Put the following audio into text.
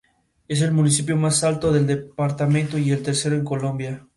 Es el municipio más alto del departamento y el tercero en Colombia.